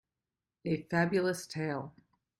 A Fabulous tale.